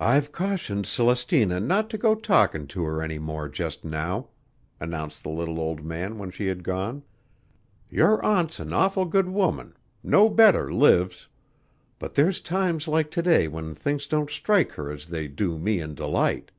"I've cautioned Celestina not to go talkin' to her any more just now," announced the little old man when she had gone. "Your aunt's an awful good woman; no better lives. But there's times like today when things don't strike her as they do me an' Delight.